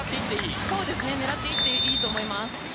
狙っていっていいと思います。